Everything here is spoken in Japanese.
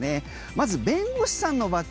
まず弁護士さんのバッジ